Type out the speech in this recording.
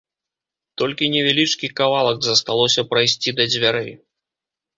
Толькі невялічкі кавалак засталося прайсці да дзвярэй.